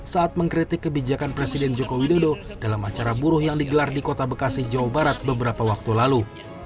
saat mengkritik kebijakan presiden joko widodo dalam acara buruh yang digelar di kota bekasi jawa barat beberapa waktu lalu